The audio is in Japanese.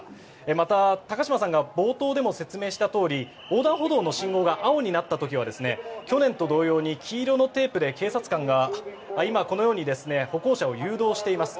また、高島さんが冒頭でも説明したとおり横断歩道の信号が青になった時は去年と同様に黄色のテープで警察官がこのように歩行者を誘導しています。